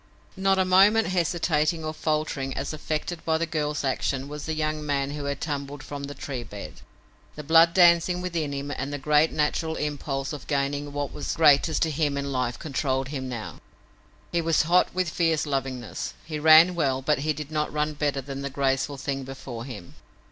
Not a moment hesitating or faltering as affected by the girl's action was the young man who had tumbled from the tree bed. The blood dancing within him and the great natural impulse of gaining what was greatest to him in life controlled him now. He was hot with fierce lovingness. He ran well, but he did not run better than the graceful thing before him.